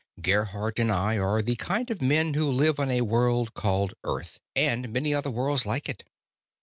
Gerhardt and I are the kind of men who live on a world called Earth, and many other worlds like it.